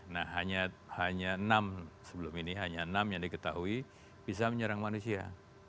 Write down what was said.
nah hanya enam sebelum ini hanya enam yang diketahui bisa menyerang manusia